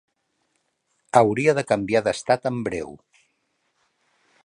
Hauria de canviar d'estat en breu.